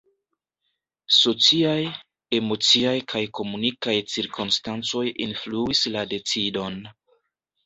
Sociaj, emociaj kaj komunikaj cirkonstancoj influis la decidon.